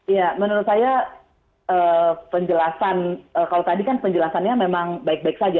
ya menurut saya penjelasan kalau tadi kan penjelasannya memang baik baik saja